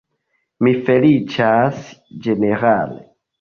Mi feliĉas ĝenerale!